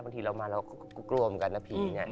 บางทีเรามาเราก็กลัวเหมือนกันนะผีเนี่ย